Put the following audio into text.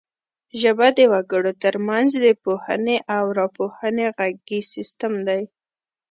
ژبه د وګړو ترمنځ د پوهونې او راپوهونې غږیز سیستم دی